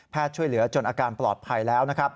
แพทย์ช่วยเหลือจนอาการปลอดภัยแล้ว